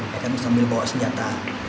mereka misalnya bawa senjata